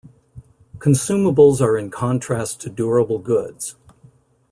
Consumables are in contrast to durable goods.